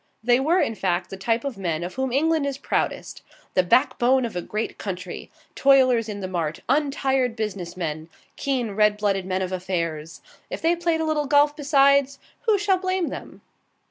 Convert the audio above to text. They were, in fact, the type of men of whom England is proudest the back bone of a great country, toilers in the mart, untired businessmen, keen red blooded men of affairs. If they played a little golf besides, who shall blame them?